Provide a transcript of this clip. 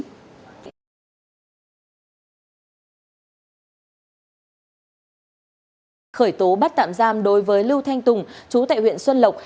trước đó khởi tố bắt tạm giam đối với lưu thanh tùng chú tại huyện xuân lộc